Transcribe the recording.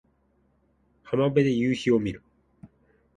浜辺で夕陽を見る